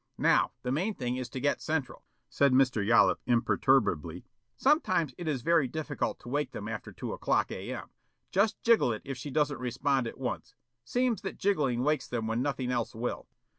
"Now, the main thing is to get Central," said Mr. Yollop imperturbably. "Sometimes it is very difficult to wake them after two o'clock A.M. Just jiggle it if she doesn't respond at once. Seems that jiggling wakes them when nothing else will."